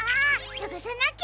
さがさなきゃ！